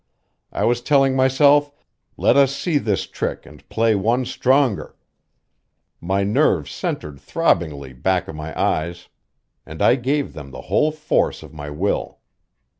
I was telling myself: "Let us see this trick and play one stronger." My nerves centered throbbingly back of my eyes, and I gave them the whole force of my will.